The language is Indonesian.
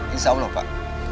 insya allah pak